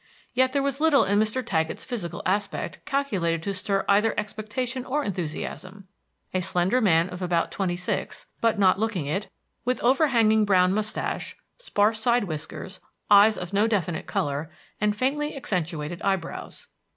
Yet there was little in Mr. Taggett's physical aspect calculated to stir either expectation or enthusiasm: a slender man of about twenty six, but not looking it, with overhanging brown mustache, sparse side whiskers, eyes of no definite color, and faintly accentuated eyebrows.